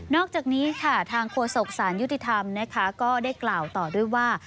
อกจากนี้ค่ะทางโฆษกสารยุติธรรมนะคะก็ได้กล่าวต่อด้วยว่า